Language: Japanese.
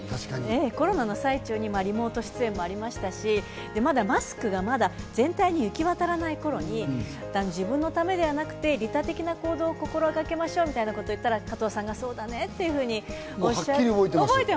コロナの最中にリモート出演もありましたし、まだマスクが全体に行き渡らない頃に、自分のためではなくて利他的な行動を心がけましょうみたいなことを言ったら、加藤さんがそうだねというふうに、おっしゃって。